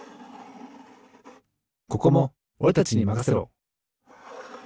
ここもおれたちにまかせろ！